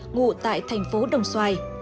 ngụ tại thành phố đồng xoài